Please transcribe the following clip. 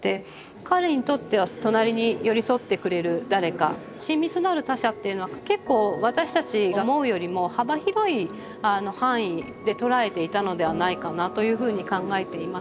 彼にとっては隣に寄り添ってくれる誰か親密なる他者っていうのは結構私たちが思うよりも幅広い範囲で捉えていたのではないかなというふうに考えています。